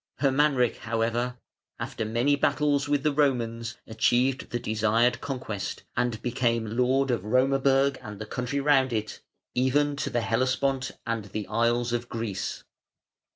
Hermanric, however, after many battles with the Romans achieved the desired conquest, and became Lord of Romaborg and the country round it, even to the Hellespont and the isles of Greece.